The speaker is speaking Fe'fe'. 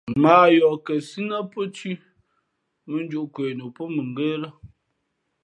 Mᾱ a yoh kαsǐ nά pó thʉ̄ mᾱ njūʼ kwe nu pó mα ngə́ lά.